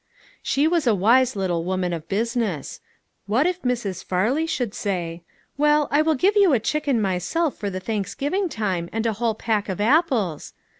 She was a wise little woman of business ; what if Mrs. Farley should say :" Well, I will give you a chicken myself for the Thanksgiving time, and a whole peck of apples!"